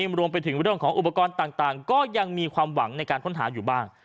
รวมไปถึงเรื่องของอุปกรณ์ต่างก็ยังมีความหวังในการค้นหาอยู่บ้าง